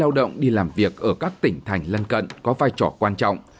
lao động đi làm việc ở các tỉnh thành lân cận có vai trò quan trọng